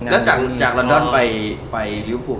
แล้วจากลอนดอนไปริวภู